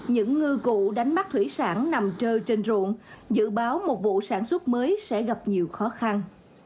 những ngư cụ đánh bắt thủy sản nằm trơ trên ruộng dự báo một vụ sản xuất mới sẽ gặp nhiều khó khăn